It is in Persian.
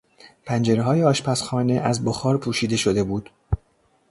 پنجرههای آشپزخانه از بخار پوشیده شده بود.